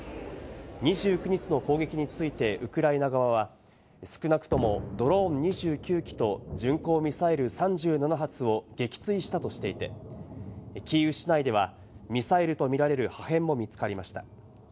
２９日の攻撃についてウクライナ側は少なくともドローン２９機と巡航ミサイル３７発を撃墜したとしていて、キーウ市内ではミサイルとみられる破片も見つかりました。